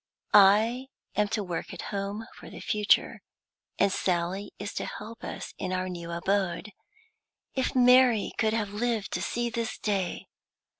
I am to work at home for the future, and Sally is to help us in our new abode. If Mary could have lived to see this day!